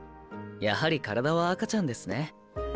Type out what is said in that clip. やはり体は赤ちゃんですね。